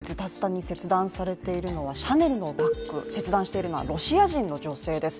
ズタズタに切断されているのはシャネルのバッグ切断しているのはロシア人の女性です。